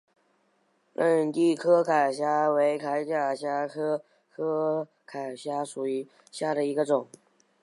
仁娣柯铠虾为铠甲虾科柯铠虾属下的一个种。